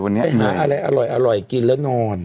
ไม่เห็นอะไรอร่อยกินแล้วนอน